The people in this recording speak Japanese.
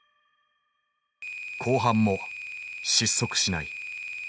後半も失速しない。